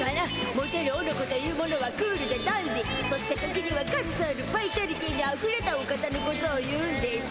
モテるオノコというものはクールでダンディーそして時にはガッツあるバイタリティーにあふれたお方のことを言うんでしゅ。